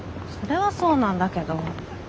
それはそうなんだけど。